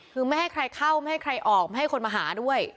คือไม่ให้ใครเข้าไม่ให้ใครออกไม่ให้คนมาหาด้วย